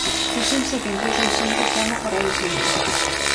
Fíxense que incluso hai xente que anda por aí sen el.